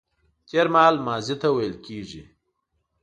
تېرمهال ماضي ته ويل کيږي